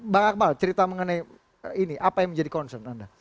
bang akmal cerita mengenai ini apa yang menjadi concern anda